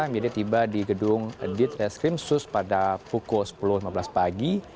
media tiba di gedung ditreskrimsus pada pukul sepuluh lima belas pagi